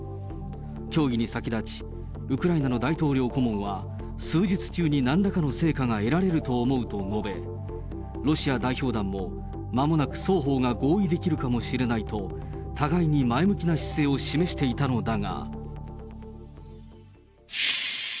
協議に先立ち、ウクライナの大統領顧問は、数日中になんらかの成果が得られると思うと述べ、ロシア代表団も、まもなく双方が合意できるかもしれないと、互いに前向きな姿勢を示していたのだが。